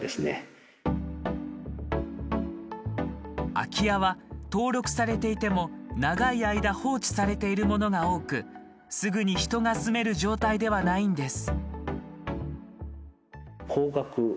空き家は登録されていても長い間放置されているものが多くすぐに人が住める状態ではないんです。